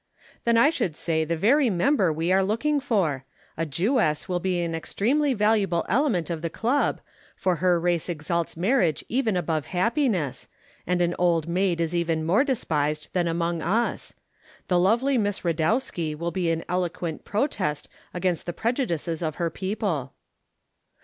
"Then I should say the very member we are looking for. A Jewess will be an extremely valuable element of the Club, for her race exalts marriage even above happiness, and an old maid is even more despised than among us. The lovely Miss Radowski will be an eloquent protest against the prejudices of her people."